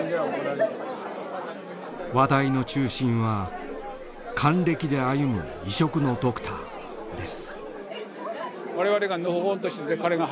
話題の中心は還暦で歩む異色のドクターです。